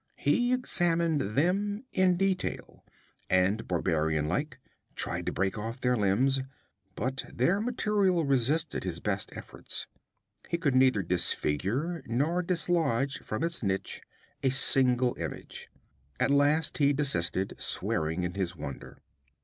He examined them in detail, and barbarian like, tried to break off their limbs. But their material resisted his best efforts. He could neither disfigure nor dislodge from its niche a single image. At last he desisted, swearing in his wonder.